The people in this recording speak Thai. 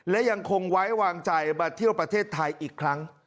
และยังคงไว้วางใจมาเที่ยวประเทศไทยอีกครั้ง